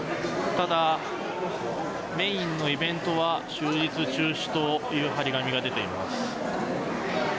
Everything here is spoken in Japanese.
ただ、メインのイベントは終日、中止という貼り紙が出ています。